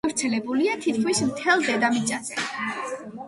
გავრცელებულია თითქმის მთელ დედამიწაზე.